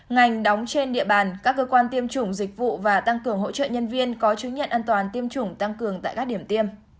ngành đóng trên địa bàn các cơ quan tiêm chủng dịch vụ và tăng cường hỗ trợ nhân viên có chứng nhận an toàn tiêm chủng tăng cường tại các điểm tiêm